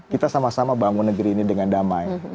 kita sama sama bangun negeri ini dengan damai